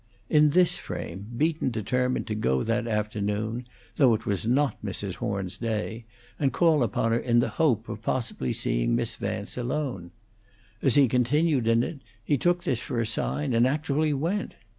In this frame Beaton determined to go that afternoon, though it was not Mrs. Horn's day, and call upon her in the hope of possibly seeing Miss Vance alone. As he continued in it, he took this for a sign and actually went.